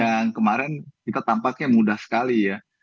yang kemarin kita tampaknya mudah sekali ya